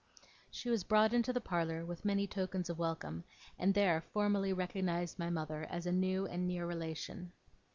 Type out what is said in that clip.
She was brought into the parlour with many tokens of welcome, and there formally recognized my mother as a new and near relation.